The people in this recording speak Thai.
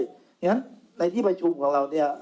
เพราะฉะนั้นในที่ประชุมของเราเนี่ย